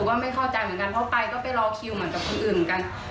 เพราะไปก็ไปรอคิวเหมือนกับคนอื่นเหมือนกัน